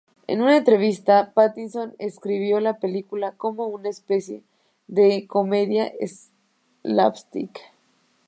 En una entrevista, Pattinson describió la película como "una especie de comedia slapstick".